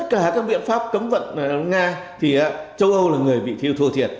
các biện pháp cấm vật nga thì châu âu là người bị thiêu thua thiệt